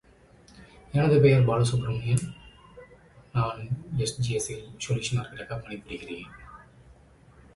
The mill has since changed hands at least two more times.